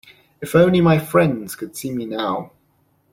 If only my friends could see me now!